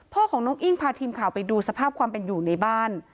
พ่อของน้องอิ้งพาทีมข่าวไปดูสภาพความเป็นอยู่ในบ้าน